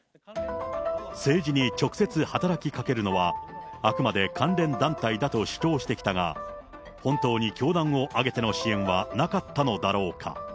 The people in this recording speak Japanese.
政治に直接働きかけるのは、あくまで関連団体だと主張してきたが、本当に教団を挙げての支援はなかったのだろうか。